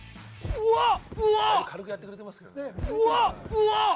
うわっ！